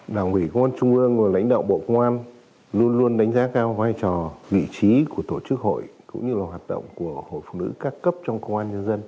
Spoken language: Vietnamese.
đảng ủy công an trung ương và lãnh đạo bộ công an luôn luôn đánh giá cao vai trò vị trí của tổ chức hội cũng như là hoạt động của hội phụ nữ các cấp trong công an nhân dân